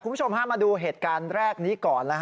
คุณผู้ชมฮะมาดูเหตุการณ์แรกนี้ก่อน